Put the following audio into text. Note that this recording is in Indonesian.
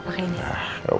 gak usah lah